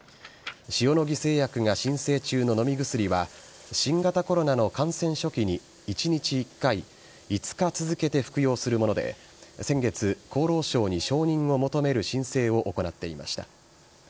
塩野義製薬が申請中の飲み薬は新型コロナの感染初期に１日１回５日続けて服用するもので先月、厚労省に承認を求める申請を行っていました。